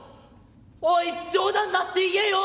おい冗談だって言えよ！」。